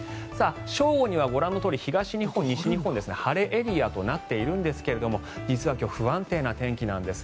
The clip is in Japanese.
正午にはご覧のとおり東日本、西日本晴れエリアとなっているんですが実は今日不安定な天気なんです。